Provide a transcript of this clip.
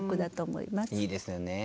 いいですよね。